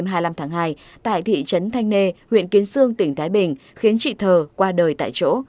trong đêm hai mươi năm tháng hai tại thị trấn thanh nê huyện kiến sương tỉnh thái bình khiến trị thờ qua đời tại chỗ